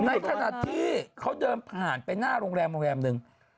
ในขณะที่เขาเดินผ่านไปหน้าโรงแรมโรงแรมนึง